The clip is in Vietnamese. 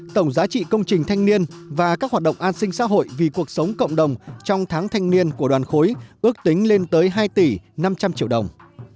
tổng giá trị công trình thanh niên và các hoạt động an sinh xã hội vì cuộc sống cộng đồng trong tháng thanh niên của đoàn khối ước tính lên tới hai tỷ năm trăm linh triệu đồng